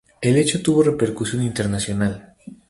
El hecho tuvo repercusión internacional.